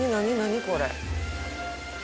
これ。